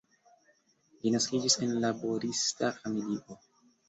Li naskiĝis en laborista familio.